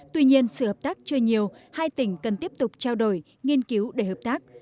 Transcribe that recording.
tuy nhiên sự hợp tác chưa nhiều hai tỉnh cần tiếp tục trao đổi nghiên cứu để hợp tác